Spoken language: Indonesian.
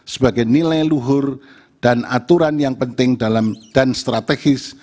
sebagai nilai luhur dan aturan yang penting dan strategis